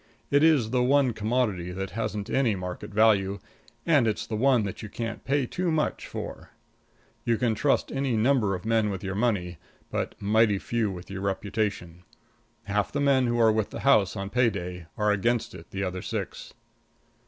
It is the one commodity that hasn't any market value, and it's the one that you can't pay too much for. You can trust any number of men with your money, but mighty few with your reputation. Half the men who are with the house on pay day are against it the other six.